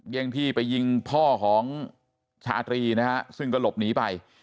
่งที่ไปยิงพ่อของชาตรีนะฮะซึ่งก็หลบหนีไป